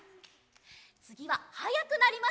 つぎははやくなりますよ！